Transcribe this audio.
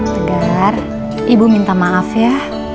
tegar ibu minta maaf ya